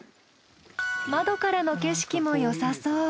窓からの景色もよさそう。